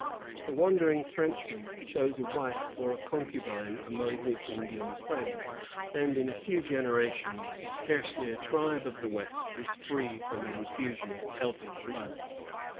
The wandering Frenchman chose a wife or a concubine among his Indian friends; and, in a few generations, scarcely a tribe of the west was free from an infusion of Celtic blood.